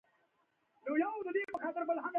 ژوند نه باید د بې رحمه چانس محصول وي.